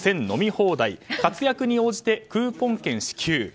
飲み放題活躍に応じてクーポン券支給。